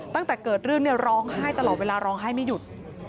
ตั้งแต่เกิดเรื่องร้องไห้ตลอดเวลาร้องไห้ไม่หยุด